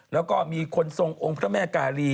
แล้วก็มีคนทรงองค์พระแม่กาลี